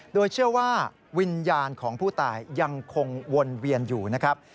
โดยเชื่อว่าวิญญาณของผู้ตายยังคงวนเวียนอยู่นะครับ